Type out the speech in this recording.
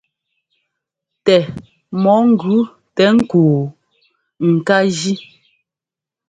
Tɛ mɔ ŋgʉ tɛ ŋ́kúu ŋ ká jí.